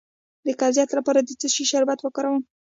د قبضیت لپاره د څه شي شربت وکاروم؟